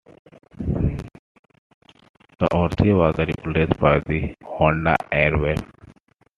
The Orthia was replaced by the Honda Airwave.